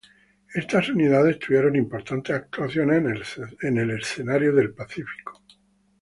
Estas unidades tuvieron importantes actuaciones en el escenario del Pacífico.